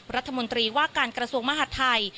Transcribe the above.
รัฐมนตรีว่าการกระทรวงมหาดไทย